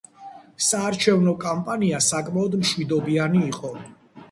საარჩევნო კამპანია საკმაოდ მშვიდობიანი იყო.